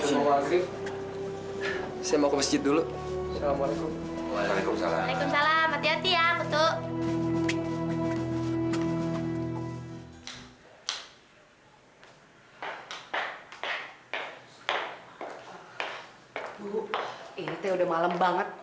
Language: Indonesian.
ibu ini udah malam banget